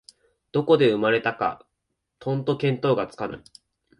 どこで生まれたかとんと見当がつかぬ